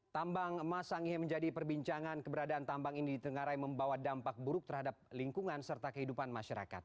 tambang emas sangihe menjadi perbincangan keberadaan tambang ini ditengarai membawa dampak buruk terhadap lingkungan serta kehidupan masyarakat